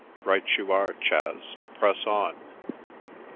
Right you are, Chas, press on."